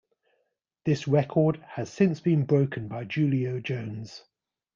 This record has since been broken by Julio Jones.